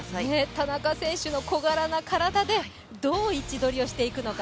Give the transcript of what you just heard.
田中選手の小柄な体で、どう位置取りをしていくのか。